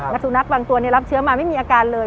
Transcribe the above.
และสุนัขบางตัวรับเชื้อมาไม่มีอาการเลย